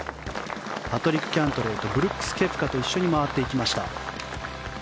パトリック・キャントレーとブルックス・ケプカと一緒に回っていきました。